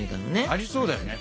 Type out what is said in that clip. ありそうだよね。